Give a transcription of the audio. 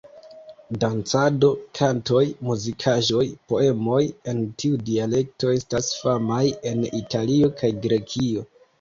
Dancado, kantoj, muzikaĵoj, poemoj en tiu dialekto estas famaj en Italio kaj Grekio.